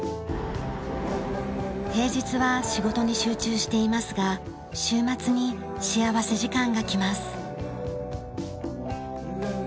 平日は仕事に集中していますが週末に幸福時間がきます。